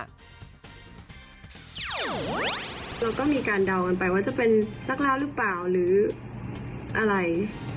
เราก็มีการเดากันไปว่าจะเป็นนักล่าหรือเปล่าหรืออะไร